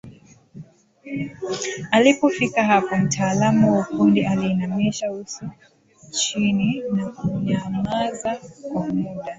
Alipofika hapo mtaalamu wa ufundi aliinamisha uso chini na kunyamaza kwa muda